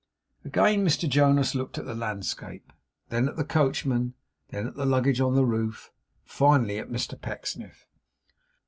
Again Mr Jonas looked at the landscape; then at the coachman; then at the luggage on the roof; finally at Mr Pecksniff.